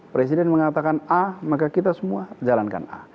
presiden mengatakan a maka kita semua jalankan a